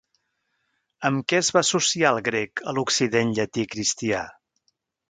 Amb què es va associar el grec a l'occident llatí cristià?